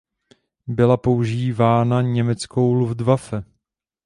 Byla používána německou Luftwaffe.